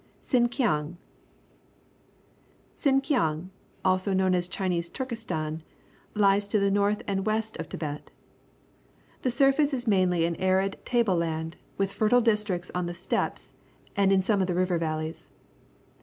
SINKIANG Sinkiang, also known as Chinese Tvx ^ kestan, lies to the north and west of Tibet. The surface is mainly an arid table land, with fertile districts on the steppes and in some of the river valleys.